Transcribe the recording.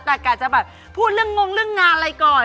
แต่กะจะแบบพูดเรื่องงงเรื่องงานอะไรก่อน